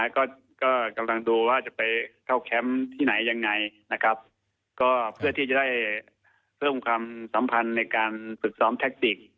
ก็กำลังดูว่าจะไปเข้าแคมป์ที่ไหนยังไงนะครับก็เพื่อที่จะได้เพิ่มความสัมพันธ์ในการฝึกซ้อมแทคติก